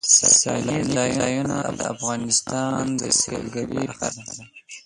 سیلانی ځایونه د افغانستان د سیلګرۍ برخه ده.